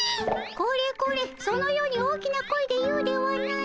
これこれそのように大きな声で言うではない。